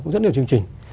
cũng rất nhiều chương trình